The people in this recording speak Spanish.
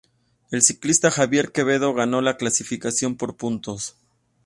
El ciclista Xavier Quevedo, ganó la clasificación por puntos.